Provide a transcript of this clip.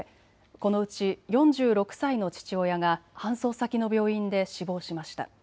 このうち４６歳の父親が搬送先の病院で死亡しました。